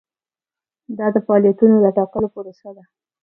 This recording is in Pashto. دا د فعالیتونو د ټاکلو پروسه ده.